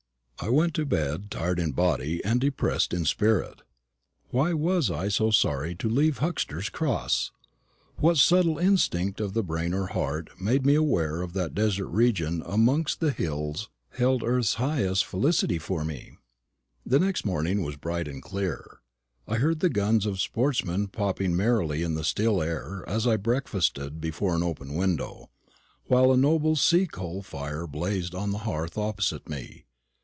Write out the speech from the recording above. I went to bed tired in body and depressed in spirit. Why was I so sorry to leave Huxter's Cross? What subtle instinct of the brain or heart made me aware that the desert region amongst the hills held earth's highest felicity for me? The next morning was bright and clear. I heard the guns of sportsmen popping merrily in the still air as I breakfasted before an open window, while a noble sea coal fire blazed on the hearth opposite me.